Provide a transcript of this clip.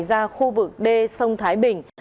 ra khu vực d sông thái bình